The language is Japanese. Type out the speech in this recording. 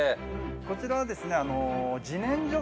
こちらはですね